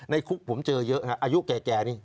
คุกผมเจอเยอะครับอายุแก่นี่